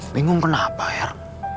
bingung kenapa er